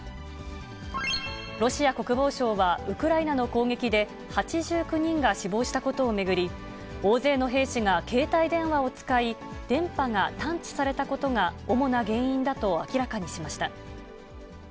ロシア国防省はウクライナの攻撃で、８９人が死亡したことを巡り、大勢の兵士が携帯電話を使い、電波が探知されたことが主な原因だと、明らかにしました。